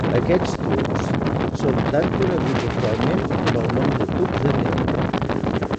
Aquests tubs són coneguts actualment amb el nom de tubs de neó.